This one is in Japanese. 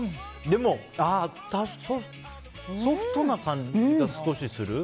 でも、ソフトな感じが少しする？